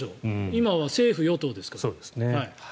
今は政府・与党ですから。